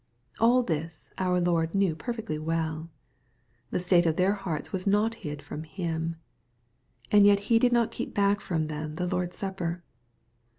All this our Lord knew perfectly well. The state of their hearts was not hid from Him. And yet He did not keep back from them the Lord's Supper.